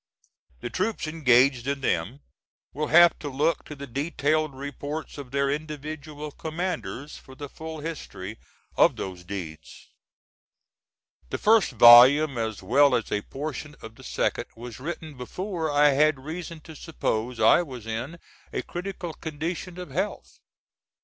The troops engaged in them will have to look to the detailed reports of their individual commanders for the full history of those deeds. The first volume, as well as a portion of the second, was written before I had reason to suppose I was in a critical condition of health.